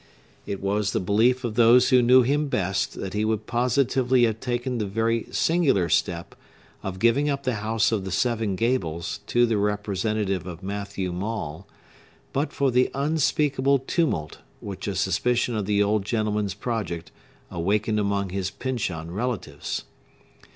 It was the belief of those who knew him best, that he would positively have taken the very singular step of giving up the House of the Seven Gables to the representative of Matthew Maule, but for the unspeakable tumult which a suspicion of the old gentleman's project awakened among his Pyncheon relatives.